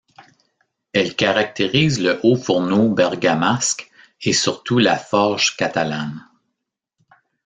Elle caractérise le haut fourneau bergamasque et surtout la forge catalane.